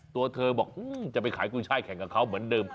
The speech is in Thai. ตัวเธอบอกจะไปขายกุ้ยช่ายแข่งกับเขาเหมือนเดิม